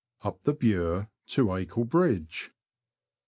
UP THE BURE TO ACLE BRIDGE.